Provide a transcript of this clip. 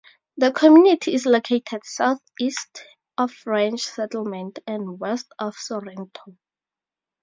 The community is located southeast of French Settlement and west of Sorrento.